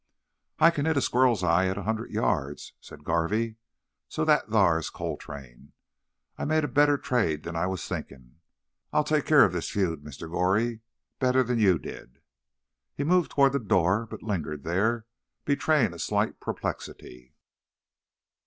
"I kin hit a squirrel's eye at a hundred yard," said Garvey. "So that thar's Coltrane! I made a better trade than I was thinkin'. I'll take keer ov this feud, Mr. Goree, better'n you ever did!" He moved toward the door, but lingered there, betraying a slight perplexity.